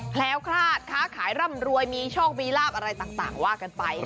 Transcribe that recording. แคล้วคลาดค้าขายร่ำรวยมีโชคมีลาบอะไรต่างว่ากันไป